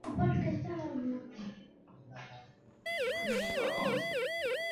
جميندآر ٻجو ڪو آپوئي ٻنيو مي پوکوآ تآڻي ليليندآ هين پڇي